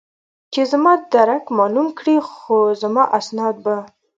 چې زما درک معلوم کړي، خو زما اسناد به.